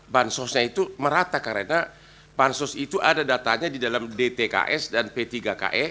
bansosnya itu merata karena pansus itu ada datanya di dalam dtks dan p tiga ke